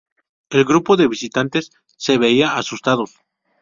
El grupo de visitantes se veían asustados.